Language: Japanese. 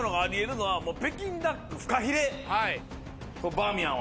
バーミヤンは。